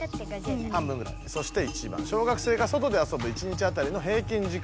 そして１番「小学生が外で遊ぶ１日あたりの平均時間」。